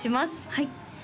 はい